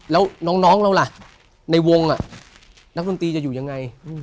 แล้วน้องเราล่ะในวงนักดนตรีจะอยู่ยังไง